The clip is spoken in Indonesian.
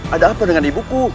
ada apa dengan ibuku